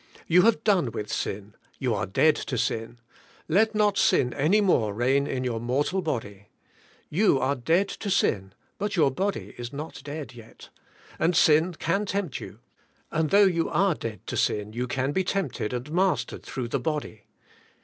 You have done with sin, you are dead to sin; let not sin any more reign in your mortal body. Tou are dead to sin, but your body is not dead yet, and sin can tempt you, and though you are dead to sin you can be tempted and mastered through the body.